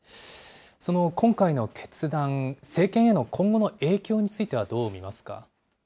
その今回の決断、政権への今後の影響についてはどう見ますか。